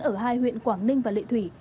ở hai huyện quảng ninh và lệ thủy